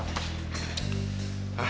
hah saya gak mau tau